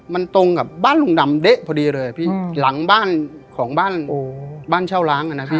มันตรงกับบ้านลุงดำเดะพอดีเลยหลังบ้านของบ้านเช่าร้าน